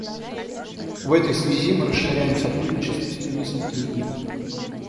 В этой связи мы расширяем сотрудничество с Тунисом и Египтом.